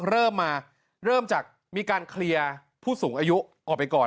เริ่มมาเริ่มจากมีการเคลียร์ผู้สูงอายุออกไปก่อน